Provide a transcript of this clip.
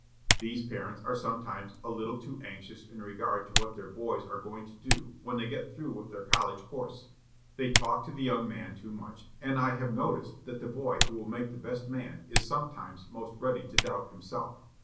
These parents are sometimes a little too anxious in regard to what their boys are going to do when they get through with their college course. They talk to the young man too much, and I have noticed that the boy who will make the best man is sometimes most ready to doubt himself.